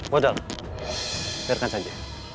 waduh biarkan saja